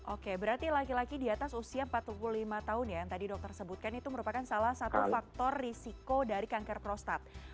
oke berarti laki laki di atas usia empat puluh lima tahun ya yang tadi dokter sebutkan itu merupakan salah satu faktor risiko dari kanker prostat